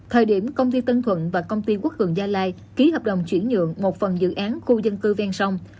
thời điểm công ty tân thuận và công ty quốc hường gia lai ký hợp đồng chuyển dưỡng một phần dự án khu dân cư ven song